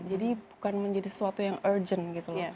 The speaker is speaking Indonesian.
jadi bukan menjadi sesuatu yang urgent gitu loh